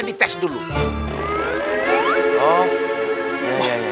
oh iya ini cepetan